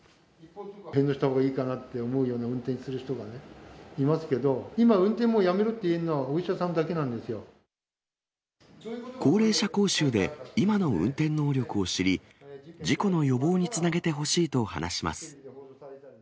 返納したほうがいいかなって思うような運転する人がいますけど、今、運転をやめろって言える高齢者講習で、今の運転能力を知り、事故の予防につなげてほしいと話します。